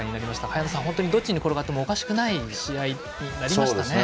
早野さん、どっちに転がってもおかしくない試合になりましたね。